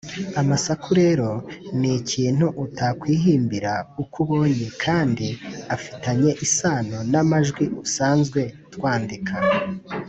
Amasaku rero ni ikintu utakwihimbira uko ubonye kandi afitanye isano n’amajwi usanzwe twandika.